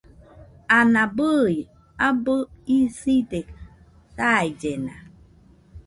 Ana bɨi abɨ iside saillena.